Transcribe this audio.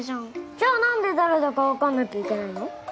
じゃあなんで誰だかわかんなきゃいけないの？